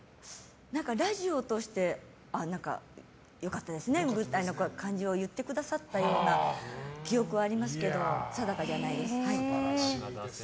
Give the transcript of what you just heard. ラジオを通して良かったですねみたいな感じで言ってくださったような記憶はありますけど定かじゃないです。